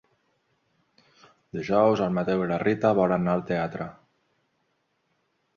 Dijous en Mateu i na Rita volen anar al teatre.